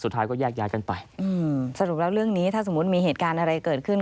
สุดท้ายก็แยกย้ายกันไปอืมสรุปแล้วเรื่องนี้ถ้าสมมุติมีเหตุการณ์อะไรเกิดขึ้น